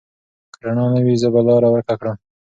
که رڼا نه وي، زه به لاره ورکه کړم.